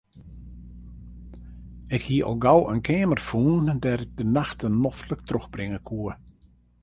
Ik hie al gau in keamer fûn dêr't ik de nachten noflik trochbringe koe.